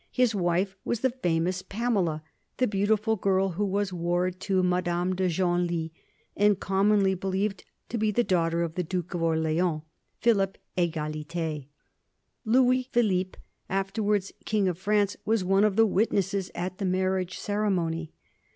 His wife was the famous Pamela, the beautiful girl who was ward to Madame de Genlis, and commonly believed to be the daughter of the Duke of Orleans, Philippe Egalité. Louis Philippe, afterwards King of France, was one of the witnesses at the marriage ceremony.